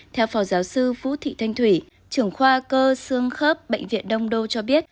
theo phò giáo sư vũ thị thanh thủy trưởng khoa cơ xương khớp bệnh viện đông đô cho biết